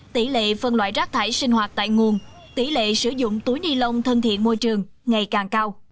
tỷ lệ phân loại rác thải sinh hoạt tại nguồn tỷ lệ sử dụng túi ni lông thân thiện môi trường ngày càng cao